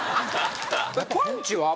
パンチは？